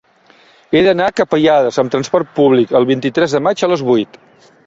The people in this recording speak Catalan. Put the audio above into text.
He d'anar a Capellades amb trasport públic el vint-i-tres de maig a les vuit.